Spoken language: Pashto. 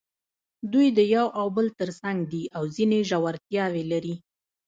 دوی د یو او بل تر څنګ دي او ځینې ژورتیاوې لري.